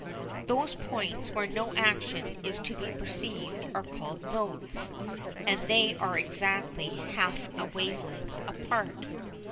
Those points where no action is to be perceived are called "nodes," and they are exactly half a wave length apart.